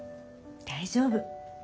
大丈夫。